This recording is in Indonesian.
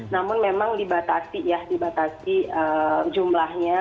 namun memang dibatasi ya dibatasi jumlahnya